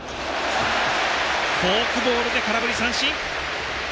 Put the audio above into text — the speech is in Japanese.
フォークボールで空振り三振。